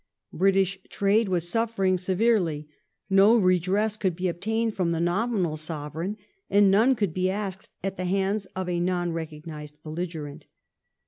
British trade was suffering severely ; no redress could be obtained from the nominal Sovereign, and none could be asked at the hands of a non recognized belligerent.